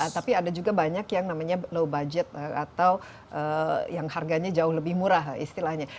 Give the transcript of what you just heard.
tapi ada juga banyak yang namanya low budget atau yang harganya jauh lebih murah istilahnya